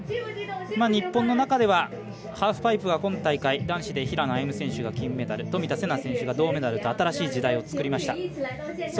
日本の中ではハーフパイプは今大会、男子で平野歩夢選手が金メダル冨田せな選手が銅メダルと新しい時代を作りました。